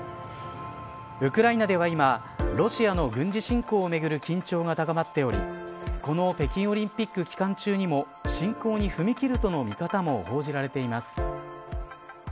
ウクライナでは今、ロシアの軍事侵攻をめぐる緊張が高まっておりこの北京オリンピック期間中にも侵攻に踏み切るとの見方も報じられています。